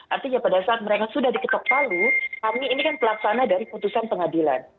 artinya pada saat mereka sudah diketok palu kami ini kan pelaksana dari putusan pengadilan